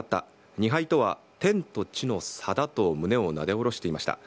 ２敗とは、天と地の差だと胸をなで下ろしていました。